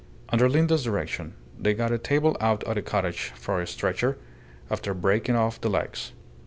Under Linda's direction they got a table out of the cottage for a stretcher, after breaking off the legs.